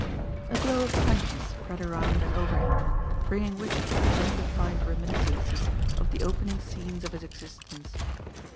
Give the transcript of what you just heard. A glow of kindness spread around and over him, bring ing with it undefined reminiscences of the opening scenes of his existence.